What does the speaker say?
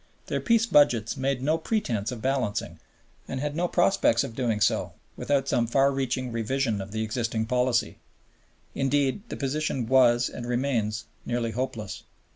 Their peace budgets made no pretense of balancing and had no prospects of doing so, without some far reaching revision of the existing policy. Indeed, the position was and remains nearly hopeless.